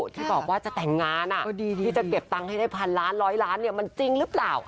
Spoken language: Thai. ที่บอกว่าจะแต่งงานที่จะเก็บตังค์ให้ได้พันล้านร้อยล้านมันจริงหรือเปล่า